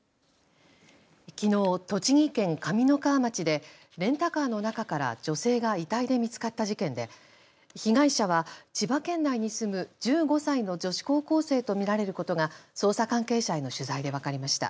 きのう、栃木県上三川町でレンタカーの中から女性が遺体で見つかった事件で被害者は千葉県内に住む１５歳の女子高校生と見られることが捜査関係者への取材で分かりました。